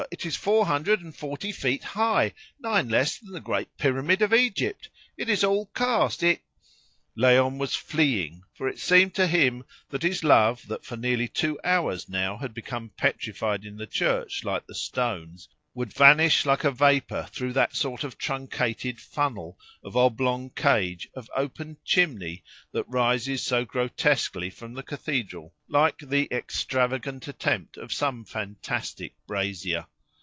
It is four hundred and forty feet high, nine less than the great pyramid of Egypt. It is all cast; it " Léon was fleeing, for it seemed to him that his love, that for nearly two hours now had become petrified in the church like the stones, would vanish like a vapour through that sort of truncated funnel, of oblong cage, of open chimney that rises so grotesquely from the cathedral like the extravagant attempt of some fantastic brazier.